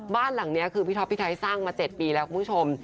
บ้านหลังนี้คือพี่ท็อปพี่ไทยสร้างมา๗ปีแล้วคุณผู้ชม